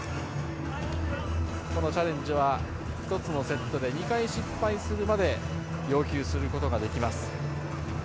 このチャレンジは１つのセットで２回失敗するまで要求することができます。